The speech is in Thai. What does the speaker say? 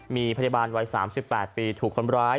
มีพยาบาลวัย๓๘ปีถูกคนร้าย